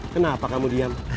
kenapa kamu diam